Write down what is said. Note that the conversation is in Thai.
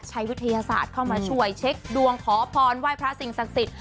วิทยาศาสตร์เข้ามาช่วยเช็คดวงขอพรไหว้พระสิ่งศักดิ์สิทธิ